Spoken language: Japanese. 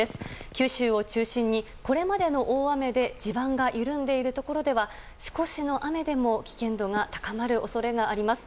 九州を中心に、これまでの大雨で地盤が緩んでいるところでは少しの雨でも危険度が高まる恐れがあります。